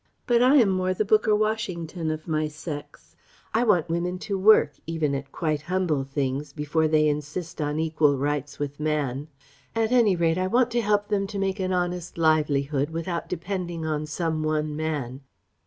But I am more the Booker Washington of my sex. I want women to work even at quite humble things before they insist on equal rights with man. At any rate I want to help them to make an honest livelihood without depending on some one man....